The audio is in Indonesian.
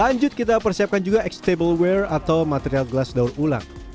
lanjut kita persiapkan juga x tableware atau material gelas daun ulang